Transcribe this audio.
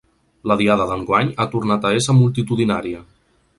La diada d’enguany ha tornat a ésser multitudinària.